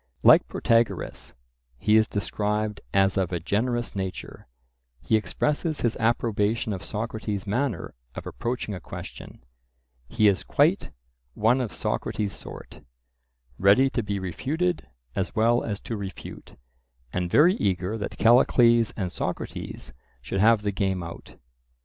Like Protagoras, he is described as of a generous nature; he expresses his approbation of Socrates' manner of approaching a question; he is quite "one of Socrates' sort, ready to be refuted as well as to refute," and very eager that Callicles and Socrates should have the game out.